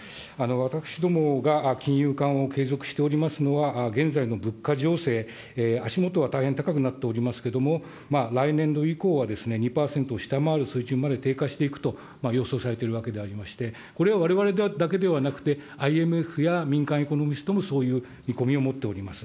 私どもが金融緩和を継続しておりますのは、現在の物価情勢、足下は大変高くなっておりますけれども、来年度以降は、２％下回る水準まで低下していくと予想されているわけでありまして、これはわれわれだけではなくて、ＩＭＦや民間エコノミストもそういう見込みを持っております。